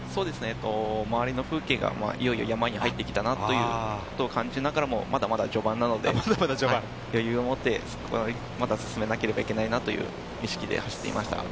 周りの風景がいよいよ山に入ってきたなということを感じながらもまだまだ序盤なので、余裕をもって進めなければいけないなという意識で走っていました。